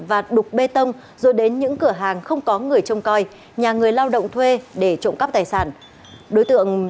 và đục bê tông rồi đến những cửa hàng không có người trông coi nhà người lao động thuê để trộm cắp tài sản